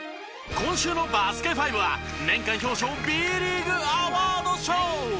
今週の『バスケ☆ＦＩＶＥ』は年間表彰Ｂリーグアワードショー！